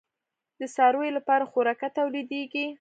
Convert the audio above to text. د څارویو لپاره خوراکه تولیدیږي؟